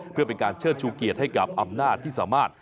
เพื่อเป็นการเชิดชูเกียรติให้กับอำนาจที่สามารถ